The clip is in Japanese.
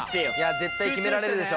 絶対決められるでしょ。